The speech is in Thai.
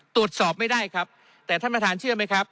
ตรวจสอบไม่ได้ครับแต่ท่านประธานเชื่อไหมครับ